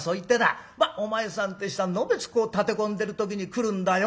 『まっお前さんって人はのべつこう立て込んでる時に来るんだよ。